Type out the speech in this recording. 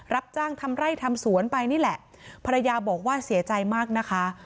รับจ้างทำไร่ทำสวนไปนี่แหละภรรยาบอกว่าเสียใจมากนะคะ